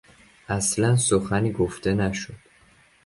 اصلا سخنی گفته نشد.